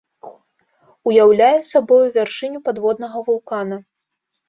Уяўляе сабою вяршыню падводнага вулкана.